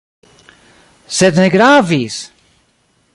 Sed ne gravis!